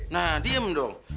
nah diam dong